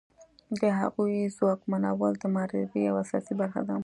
د هغوی ځواکمنول د مبارزې یوه اساسي برخه ده.